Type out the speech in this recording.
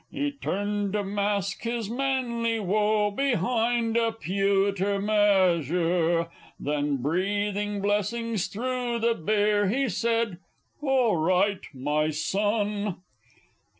He turned to mask his manly woe behind a pewter measure Then, breathing blessings through the beer, he said; "All right, my son!